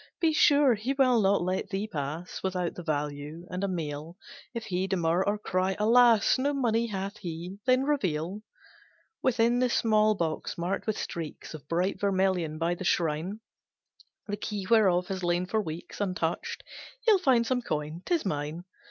Be sure, he will not let thee pass Without the value, and a meal, If he demur, or cry alas! No money hath he, then reveal, "Within the small box, marked with streaks Of bright vermilion, by the shrine, The key whereof has lain for weeks Untouched, he'll find some coin, 'tis mine.